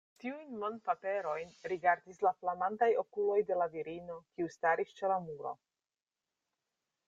Tiujn monpaperojn rigardis la flamantaj okuloj de la virino, kiu staris ĉe la muro.